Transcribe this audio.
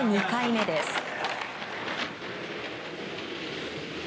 ２回目です。